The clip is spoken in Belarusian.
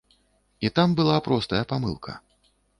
І там была простая памылка.